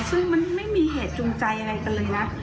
ซึ่งมันไม่มีเหตุจูงใจอะไรกันเลยนะ